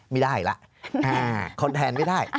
ไม่ได้ละทนแทนไม่ได้